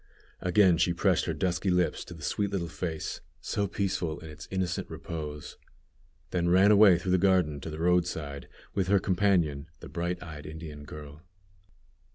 Again she pressed her dusky lips to the sweet little face, so peaceful in its innocent repose, then ran away through the garden to the roadside, with her companion, the bright eyed Indian girl.